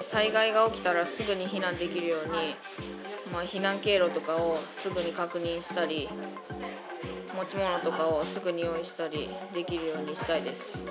災害が起きたらすぐに避難できるように、避難経路とかをすぐに確認したり、持ち物とかをすぐに用意したりできるようにしたいです。